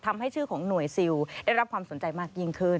ทำให้ชื่อของหน่วยซิลได้รับความสนใจมากยิ่งขึ้น